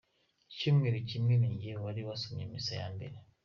Icyumweru kimwe ninjye wari wasomye misa ya mbere.